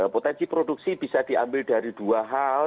potensi produksi bisa diambil dari dua hal